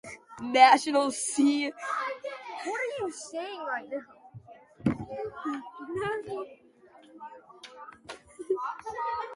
National C. Bechstein competitions regularly foster the musical development of young artists.